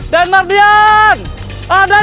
den mardian ada di mana den